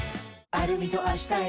アルミとあしたへ